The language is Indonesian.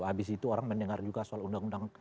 habis itu orang mendengar juga soal undang undang